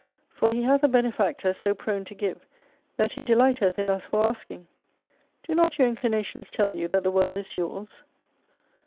!For he hath a Benefactor so prone to give, that He de lighteth in us for asking. Do not your inclinations tell you that the World is yours